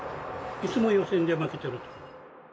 いつも予選で負けてる。